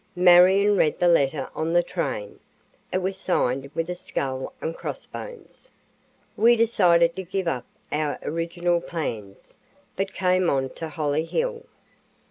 Marion read the letter on the train. It was signed with a skull and cross bones. We decided to give up our original plans, but came on to Hollyhill."